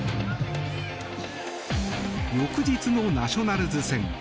翌日のナショナルズ戦。